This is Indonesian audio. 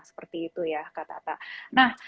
seperti itu ya kak tata nah